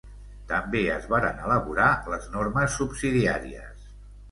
També es varen elaborar les normes subsidiàries.